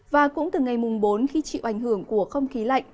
và cũng từ ngày mùng bốn khi chịu ảnh hưởng của không khí lạnh